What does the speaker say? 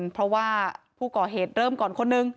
เพราะว่าผู้ก่อเหตุเริ่มก่อนคนนึง